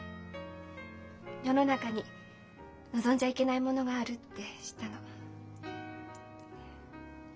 世の中に望んじゃいけないものがあるって知ったの。